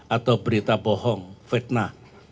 atau berita bohong fitnah